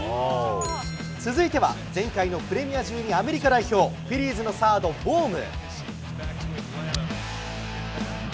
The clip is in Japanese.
続いては、前回のプレミア１２アメリカ代表、フィリーズのサード、ボーム。